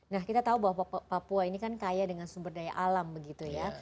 nah kita tahu bahwa papua ini kan kaya dengan sumber daya alam begitu ya